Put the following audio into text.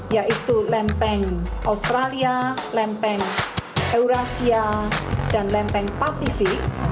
yaitu lempeng australia lempeng eurasia dan lempeng pasifik